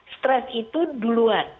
stres itu duluan